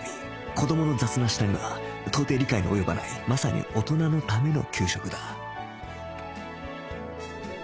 子どもの雑な舌には到底理解の及ばないまさに大人のための給食だ